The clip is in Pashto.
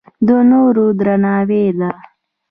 د نورو درناوی ده.